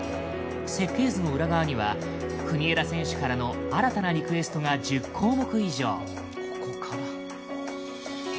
設計図の裏側には国枝選手からの新たなリクエストが１０項目以上。